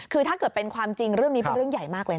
คือถ้าเกิดเป็นความจริงเรื่องนี้เป็นเรื่องใหญ่มากเลยนะ